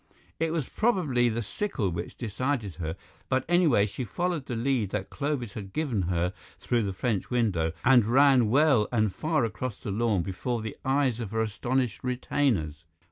It was probably the sickle which decided her, but anyway she followed the lead that Clovis had given her through the French window, and ran well and far across the lawn before the eyes of her astonished retainers.